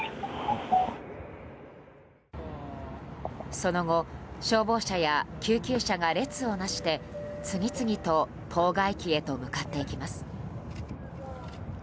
その後、消防車や救急車が列をなして次々と当該機へと向かっていきます。